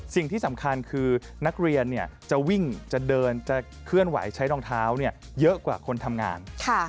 สิ่งที่สำคัญคือนักเรียนจะวิ่งจะเดินจะเคลื่อนไหวใช้รองเท้าเยอะกว่าคนทำงาน